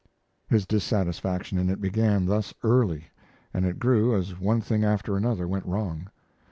His dissatisfaction in it began thus early, and it grew as one thing after another went wrong.